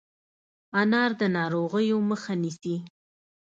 انار د ناروغیو مخه نیسي.